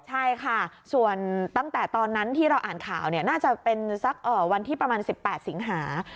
ใช่ค่ะส่วนตั้งแต่ตอนนั้นที่เราอ่านข่าวน่าจะเป็นสักวันที่ประมาณ๑๘สิงหา